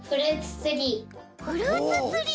フルーツツリー！